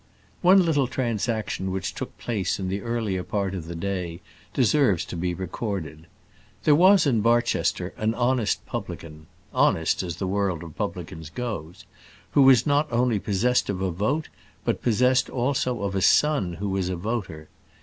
One little transaction which took place in the earlier part of the day deserves to be recorded. There was in Barchester an honest publican honest as the world of publicans goes who not only was possessed of a vote, but possessed also of a son who was a voter.